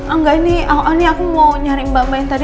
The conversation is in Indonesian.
enggak ini aku mau nyari mbak mbak yang tadi